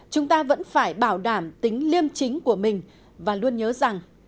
chúng ta vẫn phải bảo đảm tính liêm chính của mình và luôn nhớ rằng